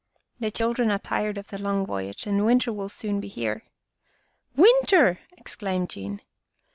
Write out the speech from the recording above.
" The children are tired with the long voyage and winter will soon be here." " Winter! " exclaimed Jean.